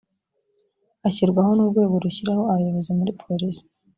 ashyirwahon’urwego rushyiraho abayobozi muri polisi